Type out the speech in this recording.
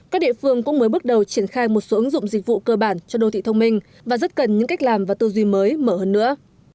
các địa phương cũng mới bước đầu triển khai một số ứng dụng dịch vụ cơ bản cho đô thị thông minh và rất cần những cách làm và tư duy mới mở hơn nữa